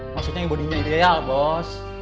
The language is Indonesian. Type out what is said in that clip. maksudnya yang bodinya ideal bos